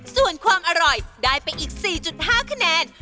ส่วนความอร่อยได้ไปอีก๔๕คะแนน